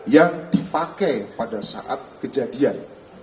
yang dipakai pada saat kejadian